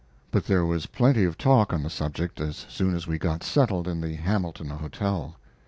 But there was plenty of talk on the subject as soon as we got settled in the Hamilton Hotel.